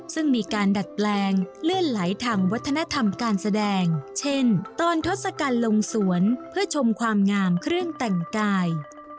ซึ่งมีการดัดแปลงเลื่อนไหลทางวัฒนธรรมการแสดงเช่นตอนทศกัณฐ์ลงสวนเพื่อชมความงามเครื่องแต่งกาย